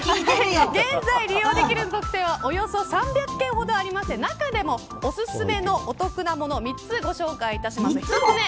現在利用できる特典はおよそ３００件ほどありまして中でもおすすめのお得なものを３つご紹介します。